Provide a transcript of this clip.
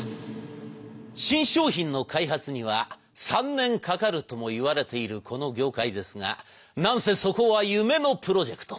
「新商品の開発には３年かかる」ともいわれているこの業界ですがなんせそこは夢のプロジェクト。